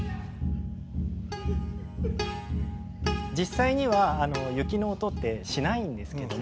実際には雪の音ってしないんですけども。